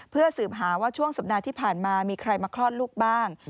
เพื่อสืบหาว่าช่วงสัปดาห์ที่ผ่านมามีใครมาคลอดลูกบ้าง